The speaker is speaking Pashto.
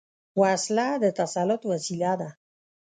وسله د تسلط وسيله ده